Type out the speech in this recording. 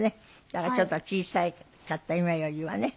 だからちょっと小さかった今よりはね。